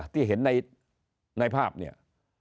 ที่เห็นในภาพเนี่ย